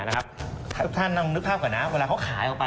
ถ้าท่านนึกท่าวก่อนนะเวลาเขาขายออกไป